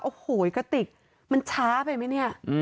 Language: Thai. โอ้โหกระติกมันช้าไปไหมเนี่ย